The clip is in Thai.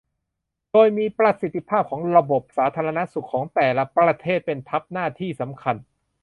โดยมีประสิทธิภาพของระบบสาธารณสุขของแต่ละประเทศเป็นทัพหน้าที่สำคัญ